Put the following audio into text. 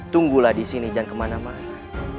tunggulah di sini jangan kemana mana